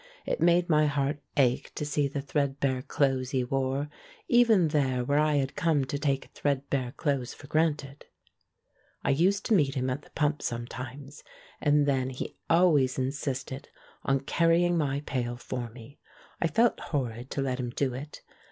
It made my heart ache to see the threadbare clothes he wore, even there where I had come to take threadbare clothes for granted. I used to meet him at the pump sometimes, and then he always insisted on carrying my pail for me. I felt horrid to let him do it.